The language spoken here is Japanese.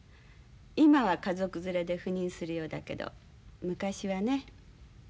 今は家族連れで赴任するようだけど昔はね